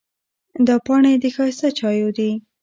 دا پاڼې د ښایسته چایو دي.